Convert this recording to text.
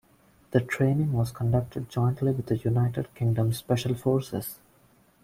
The training was conducted jointly with the United Kingdom Special Forces.